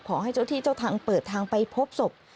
ขอให้เจ้าที่เจ้าทางเปิดทางไปพบศพ